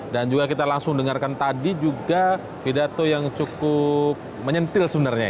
dan juga kita langsung dengarkan tadi juga pidato yang cukup menyentil sebenarnya ya